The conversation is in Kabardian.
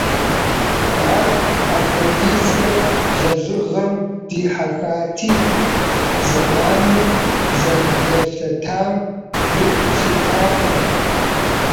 Ар апхуэдизкӏэ лэжьыгъэм дихьэхати, зэманыр зэрыблэлъэтам гу лъитакъым.